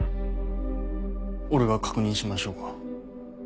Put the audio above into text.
俺が確認しましょうか？